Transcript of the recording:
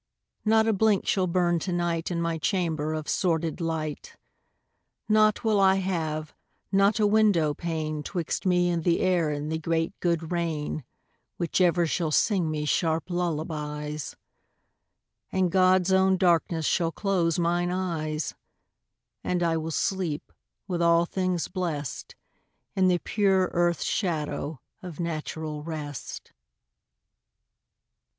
Not a blink shall burn to night In my chamber, of sordid light; Nought will I have, not a window pane, 'Twixt me and the air and the great good rain, Which ever shall sing me sharp lullabies; And God's own darkness shall close mine eyes; And I will sleep, with all things blest, In the pure earth shadow of natural rest.